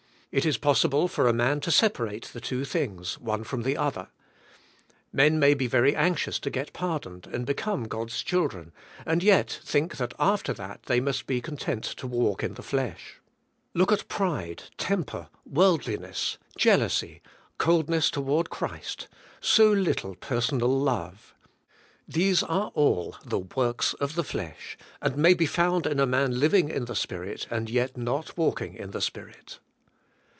It is possible for a man to separate the two things, one from the other. Men may be yery anxious to get pardoned and become the: holy spirit in galatians. 113 Cod's children, and yet think that after that thev must be content to walk in the flesh. Look at pride, temper, worldliness, jealousy, coldness toward Christ, so little personal love. These are all the works of the flesh, and may be found in a man living" in the Spirit and yet not walking" in the Spirit.